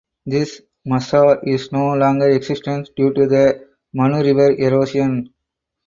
This "mazar" is no longer existence due to the Manu River erosion.